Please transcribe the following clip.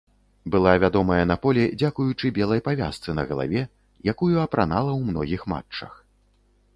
Была вядомая на поле дзякуючы белай павязцы на галаве, якую апранала ў многіх матчах.